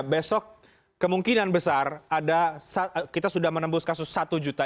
besok kemungkinan besar ada kita sudah menembus kasus satu juta